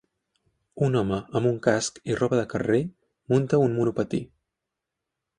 Un home amb un casc i roba de carrer munta un monopatí.